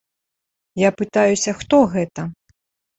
Я пытаюся, хто гэта?